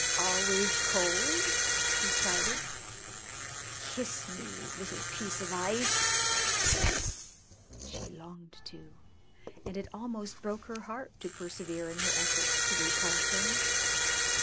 "Always cold?" he chided. "Kiss me, little piece of ice." She longed to, and it almost broke her heart to persevere in her efforts to repulse him.